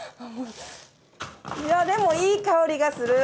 いやでもいい香りがする！